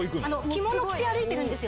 着物着て歩いてるんです